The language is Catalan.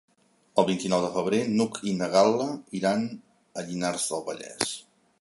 El vint-i-nou de febrer n'Hug i na Gal·la iran a Llinars del Vallès.